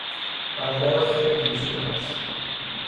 برادرت خیلی پیر شده است.